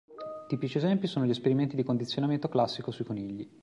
Tipici esempi sono gli esperimenti di condizionamento classico sui conigli.